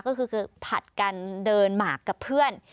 ก็คือผัดกันเดินหมากกับเพื่อน